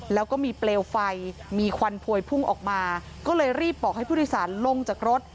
แล้วก็มีเปลวไฟมีควันพวยพุ่งออกมาก็เลยรีบบอกให้ผู้โดยสารลงจากรถ